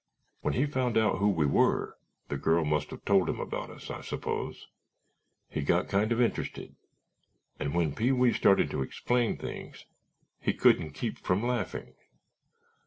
"When he found out who we were (the girl must have told him about us, I suppose) he got kind of interested and when Pee wee started to explain things he couldn't keep from laughing.